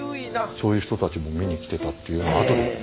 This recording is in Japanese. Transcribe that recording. そういう人たちも見に来てたっていうのを後で。